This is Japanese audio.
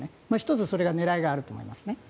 １つ、それが狙いにあると思いますね。